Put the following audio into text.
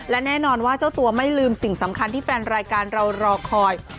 และแน่นอนว่าเจ้าตัวไม่ลืมสิ่งสำคัญที่แฟนรายการเรารอคอย